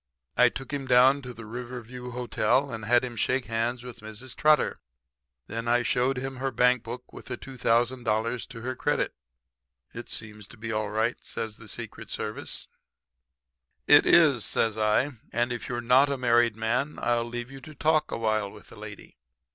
"I took him down to the Riverview Hotel and had him shake hands with Mrs. Trotter. Then I showed him her bank book with the $2,000 to her credit. "'It seems to be all right,' says the Secret Service. "'It is,' says I. 'And if you're not a married man I'll leave you to talk a while with the lady.